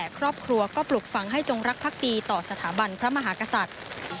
ครอบครัวก็ปลุกฟังให้จงรักภักดีต่อสถาบันพระมหากษัตริย์